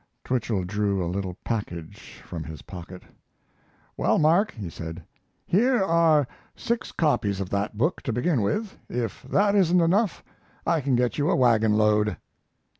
Twichell drew a little package from his pocket. "Well, Mark," he said, "here are six copies of that book, to begin with. If that isn't enough, I can get you a wagon load."